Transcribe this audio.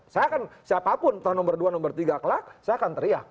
saya kan siapapun entah nomor dua nomor tiga kelak saya akan teriak